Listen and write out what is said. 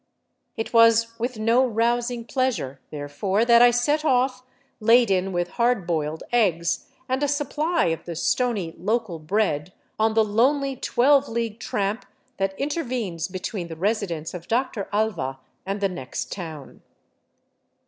It was with no rousing pleasure, there fore, that I set off, laden with hard boiled eggs and a supply of the stony local bread, on the lonely twelve league tramp that intervenes between the residence of Dr. Alva and the next town.